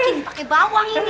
jadi gak nih pak ustadz